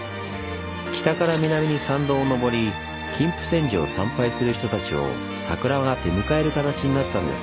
北から南に参道を上り金峯山寺を参拝する人たちを桜が出迎える形になったんです。